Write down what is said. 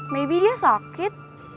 maybe dia sakit